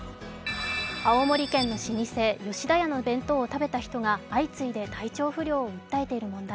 青森県の老舗、吉田屋の弁当を食べた人が相次いで体調不良を訴えている問題。